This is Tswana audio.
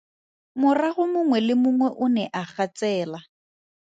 Morago mongwe le mongwe o ne a gatsela.